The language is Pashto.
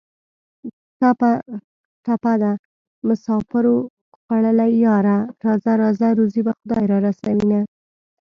ټپه ده: مسافرو خوړلیه یاره راځه راځه روزي به خدای را رسوینه